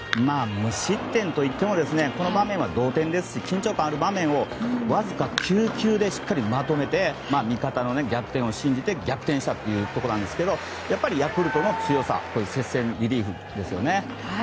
無失点といってもこの場面は同点ですし緊張感のある場面をわずか９球でしっかりまとめて味方の逆転を信じてしっかり逆転したというところですがヤクルトの強さはリリーフですよね。